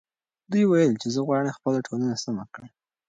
دې وویل چې زه غواړم خپله ټولنه سمه کړم.